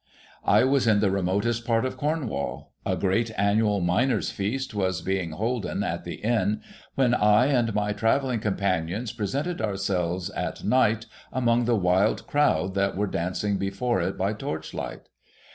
It was in the remotest part of Cornwall. A great annual IMiner's Feast was being holden at the Inn, when I and my travelling companions presented ourselves at night among the wild crowd that were dancing before it by torchlight.